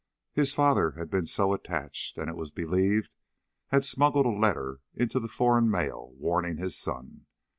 His father had been so attached, and it was believed had smuggled a letter into the foreign mail warning his son.